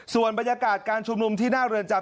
ส่วนบรรยากาศการชุมนุมที่หน้าเรือนจำ